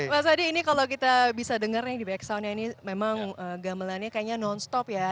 mas adi ini kalau kita bisa dengar nih di back soundnya ini memang gamelannya kayaknya non stop ya